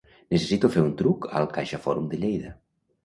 Necessito fer un truc al CaixaForum de Lleida.